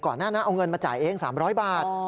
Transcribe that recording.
ก่อนหน้าเอาเงินมาจ่ายเอง๓๐๐บาท